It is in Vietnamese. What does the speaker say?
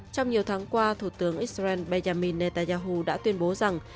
trong nhiều tháng qua thủ tướng israel benjamin netanyahu đã tuyên bố rằng